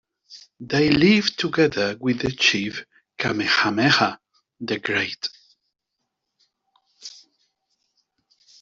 They lived together with the chief Kamehameha the Great.